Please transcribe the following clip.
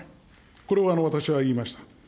これを私は言いました。